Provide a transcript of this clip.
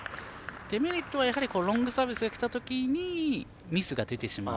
デメリットはロングサービスがきたときにミスが出てしまう。